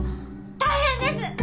大変です！